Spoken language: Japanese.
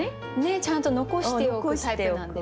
ちゃんと残しておくタイプなんですね。